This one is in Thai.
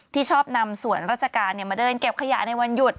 ที่ชอบนำส่วนราชการมาเดินเก็บขยะในวันหยุด